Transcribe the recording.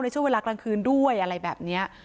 ช่วงเวลากลางคืนด้วยอะไรแบบนี้